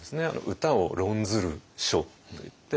「歌を論ずる書」といって。